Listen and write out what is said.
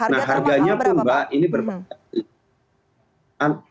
nah harganya pun mbak ini berbahaya